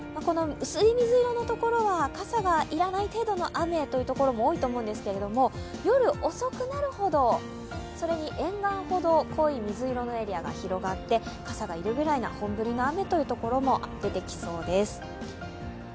薄い水色のところは傘がいらない程度の雨も多いと思うんですけれども、夜、遅くなるほどそれに沿岸ほど濃い水色のエリアが広がって傘がいるぐらいの本降りの雨も出てきそうです。